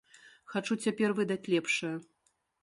Хачу цяпер выдаць лепшае.